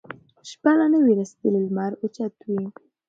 شپه لا نه وي رسېدلې لمر اوچت وي